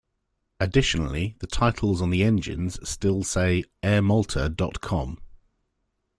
Additionally, the titles on the engines still say "airmalta dot com".